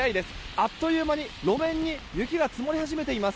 あっという間に路面に雪が積もり始めています。